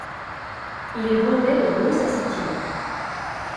Ils vendaient de beaux assortiments.